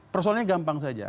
persoalannya gampang saja